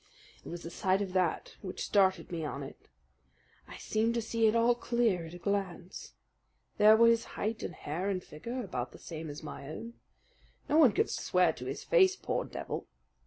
"It was the sight of that which started me on it. I seemed to see it all clear at a glance. There were his height and hair and figure, about the same as my own. No one could swear to his face, poor devil!